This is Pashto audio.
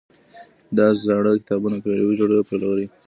دی زاړه کتابونه پيري، جوړوي او پلوري.